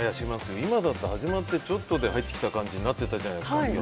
今だって始まってちょっとで入った感じになってたじゃないですか。